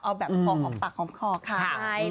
เอาแบบพอหอมปากหอมคอค่ะ